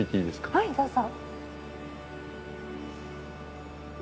はいどうぞ。